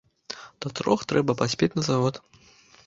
Да трох трэба паспець на завод.